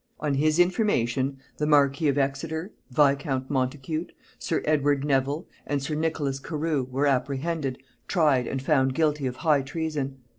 On his information, the marquis of Exeter, viscount Montacute, sir Edward Nevil, and sir Nicholas Carew, were apprehended, tried and found guilty of high treason.